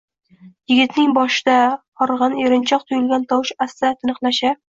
Yigitning boshda horgʼin, erinchoq tuyulgan tovush asta tiniqlasha